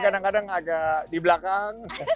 kadang kadang agak di belakang